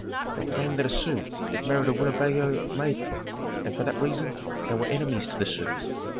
They claimed that a Sioux had married a Winnebago maiden, and for that reason they were enemies to the Sioux.